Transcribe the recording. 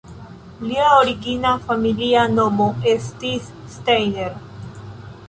Lia origina familia nomo estis Steiner.